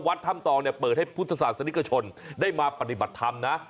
วัดถ้ำตองเนี่ยเปิดให้พุทธศาสนิกชนได้มาปฏิบัติธรรมนะ